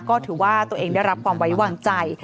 ก็ถือว่าตัวเองได้รับความไว้วางใจ